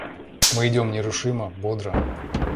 Мы идем нерушимо, бодро.